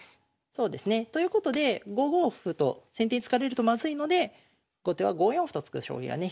そうですねということで５五歩と先手に突かれるとまずいので後手は５四歩と突く将棋がね